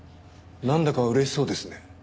なんだか嬉しそうですね。